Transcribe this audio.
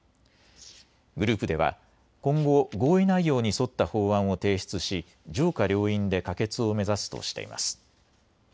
グループでは今後、合意内容に沿った法案を提出し上下両院で可決を目指すとしています。